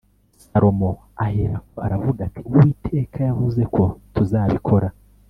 Salomo aherako aravuga ati Uwiteka yavuze ko tuzabikora